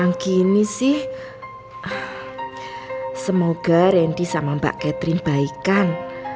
yang gini sih semoga randy sama mbak catherine baikan